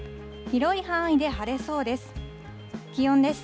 広い範囲で晴れそうです。